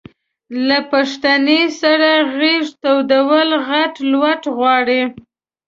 له پښتنې سره غېږه تودول غټ لوټ غواړي.